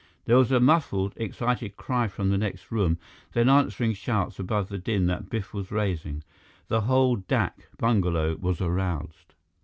There was a muffled, excited cry from the next room, then answering shouts above the din that Biff was raising. The whole dak bungalow was aroused.